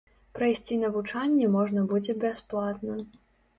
Прайсці навучанне можна будзе бясплатна.